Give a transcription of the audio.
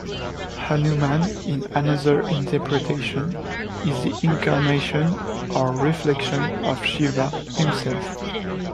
Hanuman, in another interpretation, is the incarnation or reflection of Shiva himself.